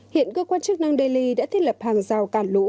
hiện cơ quan chức năng delhi đã thiết lập hàng rào cản lũ